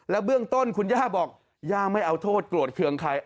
เบื้องต้นคุณย่าบอกย่าไม่เอาโทษโกรธเครื่องใคร